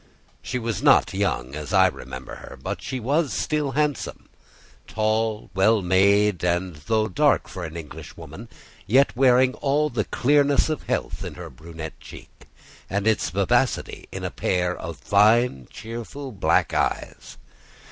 She was not young, as I remember her, but she was still handsome, tall, well made, and though dark for an Englishwoman, yet wearing always the clearness of health in her brunette cheek, and its vivacity in a pair of fine, cheerful black eyes.